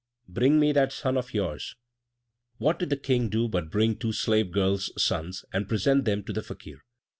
bring me that son of yours!" What did the King do but bring two slave girls' sons and present them to the Fakir.